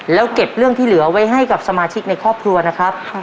แล้วเก็บเรื่องที่เหลือไว้ให้กับสมาชิกในครอบครัวนะครับ